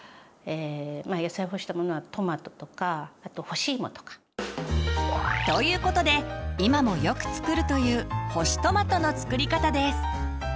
野菜を干したものはトマトとかあと干しいもとか。という事で今もよく作るという「干しトマト」の作り方です。